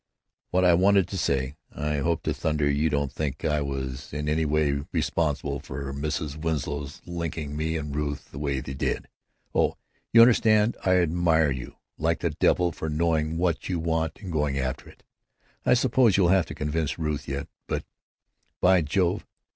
What I wanted to say——I hope to thunder you don't think I was in any way responsible for Mrs. Winslow's linking me and Ruth that way and——Oh, you understand. I admire you like the devil for knowing what you want and going after it. I suppose you'll have to convince Ruth yet, but, by Jove!